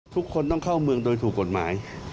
ทุกคนต้องเข้าเมืองโดยถูกกฎหมาย